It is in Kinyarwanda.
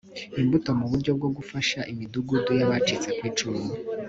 imbuto mu buryo bwo gufasha imidugudu y abacitse ku icumu